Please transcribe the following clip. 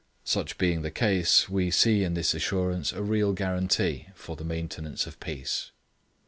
Such being the case, we see in this assurance a real guarantee for the maintenance of peace.'